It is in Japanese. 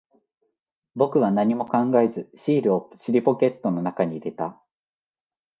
僕は何も考えず、シールを尻ポケットの中に入れた。